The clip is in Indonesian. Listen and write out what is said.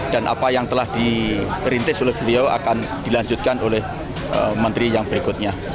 dan apa yang telah diperintis oleh beliau akan dilanjutkan oleh menteri yang berikutnya